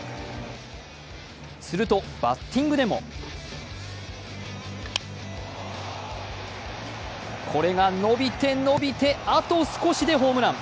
すると、バッティングでもこれが伸びて、伸びてあと少しでホームラン。